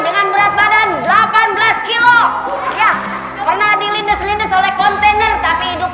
dengan berat badan delapan belas kilo ya pernah dilindas lindas oleh kontainer tapi hidup